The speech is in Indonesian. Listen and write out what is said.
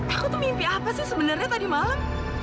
aku tuh mimpi apa sih sebenarnya tadi malam